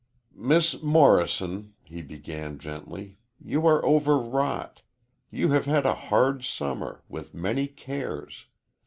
"Miss Morrison," he began gently, "you are overwrought. You have had a hard summer, with many cares.